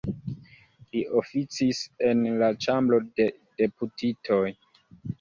Li oficis en la Ĉambro de Deputitoj.